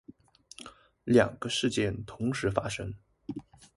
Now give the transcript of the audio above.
两个事件同时发生